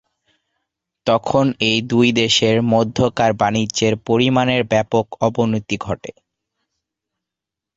তখন এই দুই দেশের মধ্যকার বাণিজ্যের পরিমানের ব্যাপক অবনতি ঘটে।